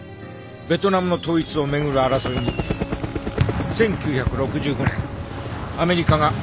ベトナムの統一を巡る争いに１９６５年アメリカが本格的に軍事介入。